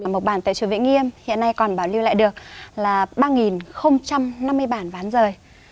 mộc bản tại chùa vĩnh nghiêm hiện nay còn bảo lưu lại được là ba năm mươi bản ván rời